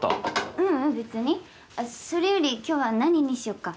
それより今日は何にしようか？